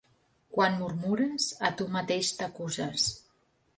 Quan murmures, a tu mateix t'acuses.